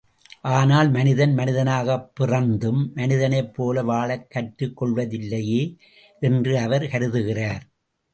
ஆனால் மனிதன் மனிதனாகப் பிறந்தும் மனிதனைப் போல வாழக் கற்றுக்கொள்வதில்லையே! என்று அவர் கருதுகிறார்.